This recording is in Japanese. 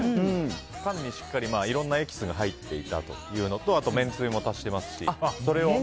缶にしっかりいろんなエキスが入っていたというのとあと、めんつゆも足していますし。